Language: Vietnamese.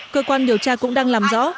cơ quan điều tra cũng đang làm rõ